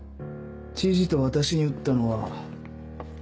知事と私に打ったのは。